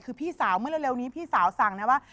คือพี่สาวเมื่อเร็วนี้พี่สาวสั่งนะว่า